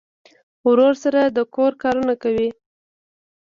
ورور سره د کور کارونه کوي.